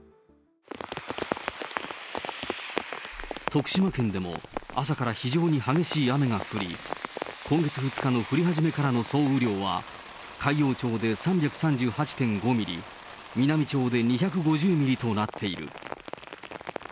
徳島県でも朝から非常に激しい雨が降り、今月２日の降り始めからの総雨量は、海陽町で３３８．５ミリ、美波町で２５０ミリとなっている。